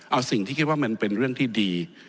เอาสิ่งที่คิดว่ามันเป็นเรื่องที่ดี